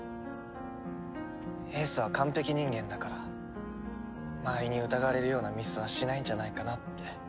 英寿は完璧人間だから周りに疑われるようなミスはしないんじゃないかなって。